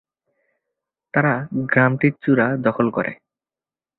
তারা গ্রামটির চূড়া দখল করে।